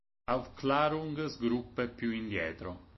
Aufklärungsgruppe più indietro.